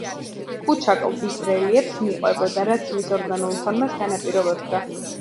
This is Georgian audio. ქუჩა კლდის რელიეფს მიყვებოდა, რაც მის ორგანულ ფორმას განაპირობებდა.